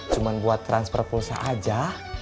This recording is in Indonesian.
cuma buat transfer pulsa aja